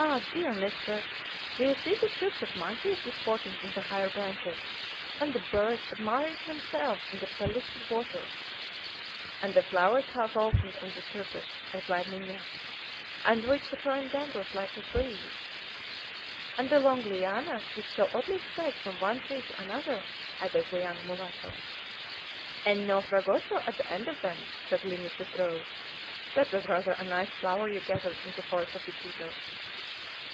Ah! dear mistress! do you see the troops of monkeys disporting in the higher branches, and the birds admiring themselves in the pellucid water!" "And the flowers half opened on the surface," replied Minha, "and which the current dandles like the breeze!" "And the long lianas, which so oddly stretch from one tree to another!" added the young mulatto. "And no Fragoso at the end of them!" said Lina's betrothed. "That was rather a nice flower you gathered in the forest of Iquitos!"